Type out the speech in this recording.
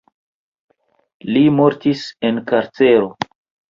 Li mortis en karcero.